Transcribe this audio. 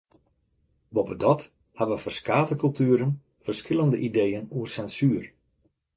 Boppedat hawwe ferskate kultueren ferskillende ideeën oer sensuer.